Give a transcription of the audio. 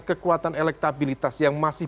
kekuatan elektabilitas yang masih